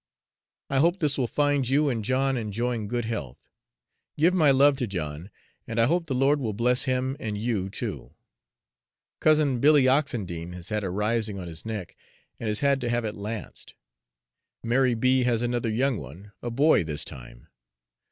I hope this will find you and John enjoying good health. Give my love to John, and I hope the Lord will bless him and you too. Cousin Billy Oxendine has had a rising on his neck, and has had to have it lanced. Mary B. has another young one, a boy this time.